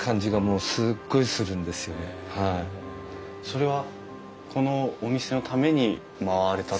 それはこのお店のために回られた？